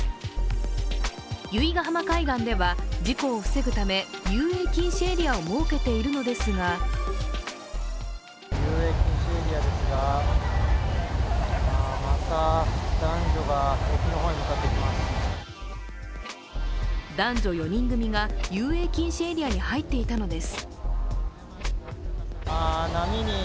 由比ガ浜海岸では事故を防ぐため遊泳禁止エリアを設けているのですが男女４人組が遊泳禁止エリアに入っていたのです。